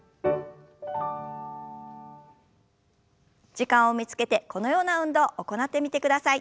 時間を見つけてこのような運動を行ってみてください。